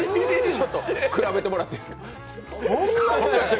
ちょっと比べてもらっていいですか。